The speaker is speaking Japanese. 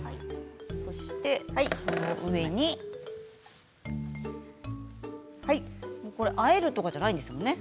そして、その上にあえるとかじゃないんですよね。